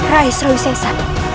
raih seru sesa